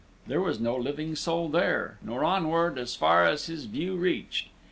There was no living soul there, nor onward, as far as his view reached.